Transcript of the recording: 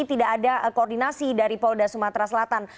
tidak ada koordinasi dari polda sumatera selatan